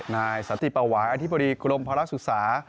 นายสติปวาอธิบดีกรมพลักษณ์ศึกษา